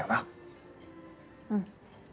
うん。